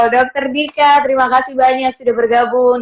dokter dika terima kasih banyak sudah bergabung